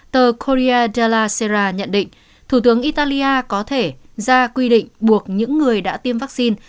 tờ koria della sira nhận định thủ tướng italia có thể ra quy định buộc những người đã tiêm vaccine